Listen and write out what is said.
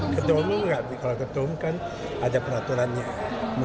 ya mungkin mungkin saja kalau mau